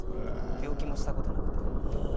病気もしたことなくて。